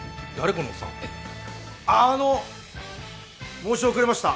申し遅れました。